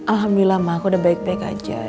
alhamdulillah mah aku udah baik baik aja